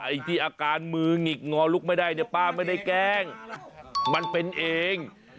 ไอ้ที่อาการมือหงิกงอลุกไม่ได้เนี่ยป้าไม่ได้แกล้งมันเป็นเอง